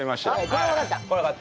これはわかった。